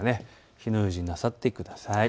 火の用心なさってください。